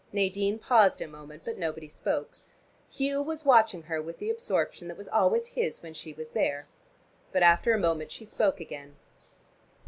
Nadine paused a moment, but nobody spoke. Hugh was watching her with the absorption that was always his when she was there. But after a moment she spoke again.